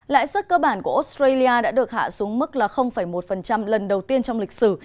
lãi suất cơ bản của australia đã được hạ xuống mức là một lần đầu tiên trong lịch sử